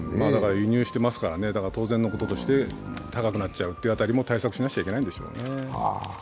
輸入してますからね、当然のこととして高くなっちゃうから対策しなくちゃいけないんでしょうね。